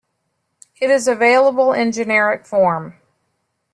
It is available in generic form.